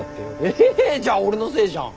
えじゃあ俺のせいじゃん！